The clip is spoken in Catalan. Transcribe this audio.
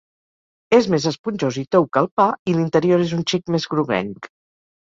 És més esponjós i tou que el pa i l'interior és un xic més groguenc.